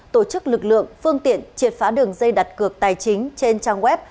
tổ chức lực lượng phương tiện triệt phá đường dây đặt cược tài chính trên trang web